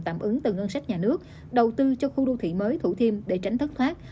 tạm ứng từ ngân sách nhà nước đầu tư cho khu đô thị mới thủ thiêm để tránh thất thoát